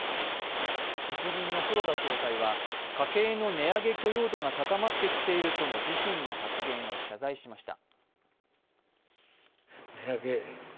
日銀の黒田総裁は家計の値上げ許容度が高まってきているとの自身の発言を謝罪しました。